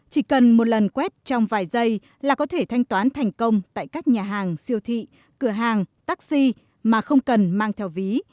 chỉ cần một lần quét trong vài giây là có thể thanh toán thành công tại các nhà hàng siêu thị cửa hàng taxi mà không cần mang theo ví